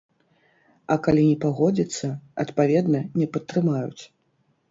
А калі не пагодзіцца, адпаведна, не падтрымаюць.